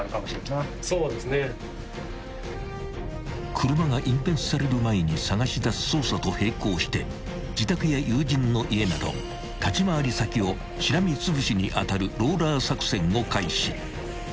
［車が隠滅される前に捜し出す捜査と並行して自宅や友人の家など立ち回り先をしらみつぶしに当たるローラー作戦を開始］